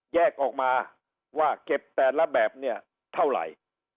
แยกออกมาว่าเก็บแต่ละแบบเนี่ยเท่าไหร่